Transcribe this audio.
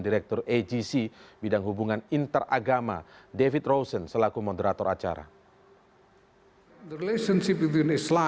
retno juga menyampaikan bahwa dia akan menjelaskan keberpihakan indonesia terhadap palestina